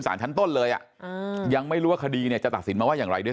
ชั้นต้นเลยอ่ะยังไม่รู้ว่าคดีเนี่ยจะตัดสินมาว่าอย่างไรด้วย